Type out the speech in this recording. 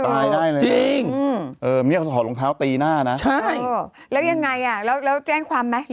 ตายได้เลยจริงเออเนี่ยเขาถอดรองเท้าตีหน้านะใช่แล้วยังไงอ่ะแล้วแจ้งความไหม